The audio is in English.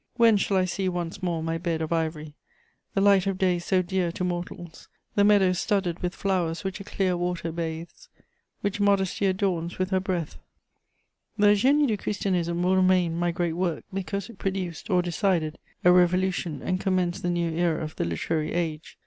When shall I see once more my bed of ivory, the light of day so dear to mortals, the meadows studded with flowers which a clear water bathes, which modesty adorns with her breath!'" The Génie du Christianisme will remain my great work, because it produced, or decided, a revolution and commenced the new era of the literary age.